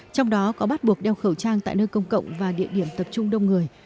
trong đó có bắt buộc đeo khẩu trang tại nơi công cộng và địa điểm tập trung đông người